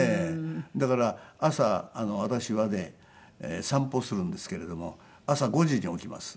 だから朝私はね散歩するんですけれども朝５時に起きます。